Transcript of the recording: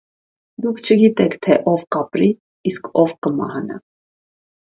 Դուք չգիտեք, թե ով կապրի, իսկ ով կմահանա։